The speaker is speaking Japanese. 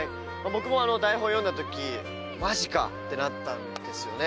僕も台本、読んだとき、マジか！ってなったんですよね。